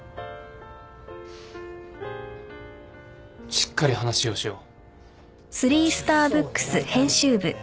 しっかり話をしよう。